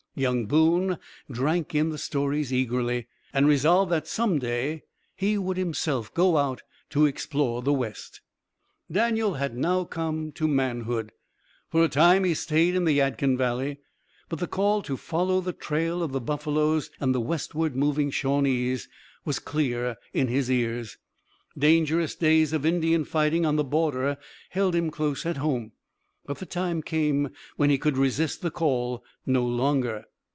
Young Boone drank in the stories eagerly, and resolved that some day he would himself go out to explore the west. Daniel had now come to manhood. For a time he stayed in the Yadkin Valley, but the call to follow the trail of the buffaloes and the westward moving Shawnese was clear in his ears. Dangerous days of Indian fighting on the border held him close at home, but the time came when he could resist the call no longer.